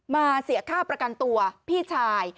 เสียค่าประกันตัวพี่ชาย